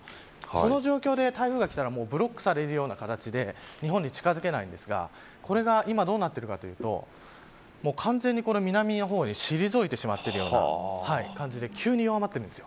この状況で台風が来たらブロックされる形で日本に近付けないんですがこれが今どうなっているかというと完全に南の方へ退いてしまってる感じで急に弱まっているんです。